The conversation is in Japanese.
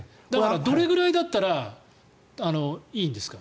どれくらいだったらいいんですか？